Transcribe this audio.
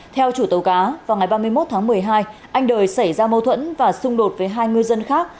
theo chủ tàu cá vào ngày ba mươi một tháng một mươi hai anh đời xảy ra mâu thuẫn và xung đột với hai ngư dân khác